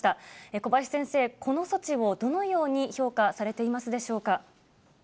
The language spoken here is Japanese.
小林先生、この措置をどのように評価されていますでしょうか。